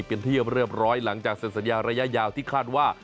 เป็นที่เรียบร้อยหลังจากเสร็จสัญญาระยะยาวที่คาดว่า